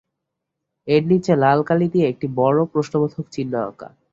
এর নিচে লাল কালি দিয়ে একটি বড় প্রশ্নবোধক চিহ্ন আঁকা।